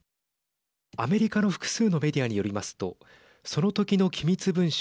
アメリカの複数のメディアによりますとその時の機密文書